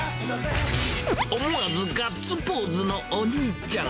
思わずガッツポーズのお兄ちゃん。